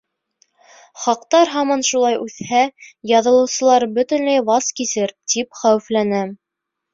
Хаҡтар һаман шулай үҫһә, яҙылыусылар бөтөнләй ваз кисер, тип хәүефләнәм.